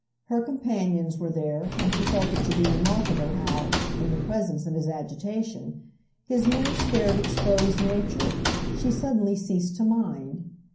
Her companions were there, and she felt it to be remarkable how, in the presence of his agitation, his mere scared exposed nature, she suddenly ceased to mind.